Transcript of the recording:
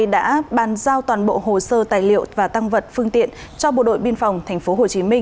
đã bàn giao toàn bộ hồ sơ tài liệu và tăng vật phương tiện cho bộ đội biên phòng tp hcm